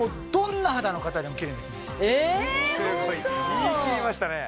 言いきりましたね。